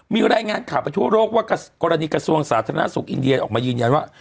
มีรายงานข่าวไปทั่วโลกว่ากรณีกระทรวงสาธารณสุขอินเดียออกมายืนยันว่า